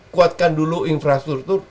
kuatkan dulu infrastruktur